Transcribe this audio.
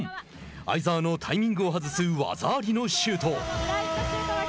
相澤のタイミングを外す技ありのシュート。